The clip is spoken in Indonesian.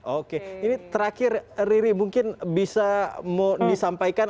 oke ini terakhir riri mungkin bisa mau disampaikan